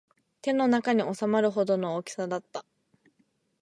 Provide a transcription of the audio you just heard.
手の中に収まるほどの大きさだった